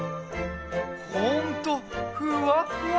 ほんとふわっふわ！